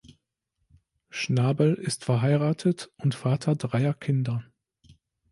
Schnabel ist verheiratet und Vater dreier Kinder.